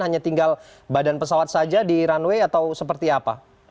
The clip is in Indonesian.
hanya tinggal badan pesawat saja di runway atau seperti apa